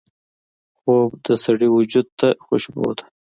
خوب د سړي وجود ته خوشبو ده